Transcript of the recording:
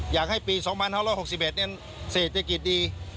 อยากให้ปี๒๑๖๑เนี่ยเศรษฐกิจดี